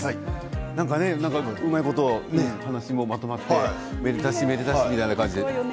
なんかねうまいこと話もまとまってめでたしめでたしになる感じで。